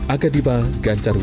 aga diba ganjarwit